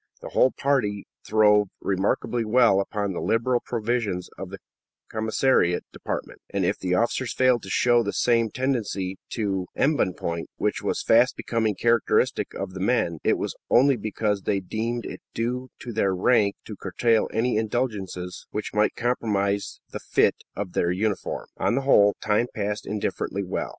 The whole party throve remarkably well upon the liberal provisions of the commissariat department, and if the officers failed to show the same tendency to embonpoint which was fast becoming characteristic of the men, it was only because they deemed it due to their rank to curtail any indulgences which might compromise the fit of their uniform. On the whole, time passed indifferently well.